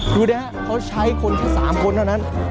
ดูดิฮะเขาใช้คนแค่๓คนเท่านั้น